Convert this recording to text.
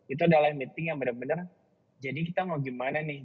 itu adalah meeting yang benar benar jadi kita mau gimana nih